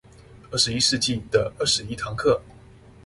二十一世紀的二十一堂課